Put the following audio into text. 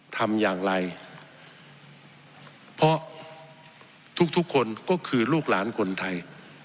ทำอย่างไรเพราะทุกคนก็คือลูกหลานคนไทย